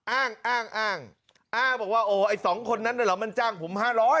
อ้างอ้างอ้างบอกว่าโอ้ไอ้สองคนนั้นน่ะเหรอมันจ้างผม๕๐๐